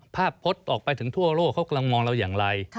พจน์ออกไปถึงทั่วโลกเขากำลังมองเราอย่างไร